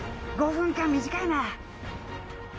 ５分間短いな。